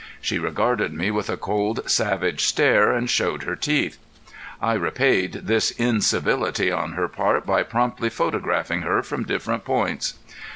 She regarded me with a cold, savage stare and showed her teeth. I repaid this incivility on her part by promptly photographing her from different points.